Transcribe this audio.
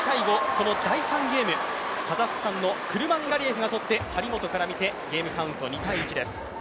この第３ゲーム、カザフスタンのクルマンガリエフがとって張本から見て、ゲームカウント２−１です。